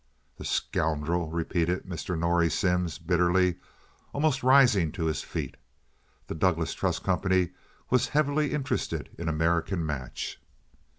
"The scoundrel!" repeated Mr. Norrie Simms, bitterly, almost rising to his feet. The Douglas Trust Company was heavily interested in American Match.